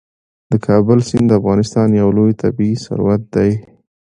د کابل سیند د افغانستان یو لوی طبعي ثروت دی.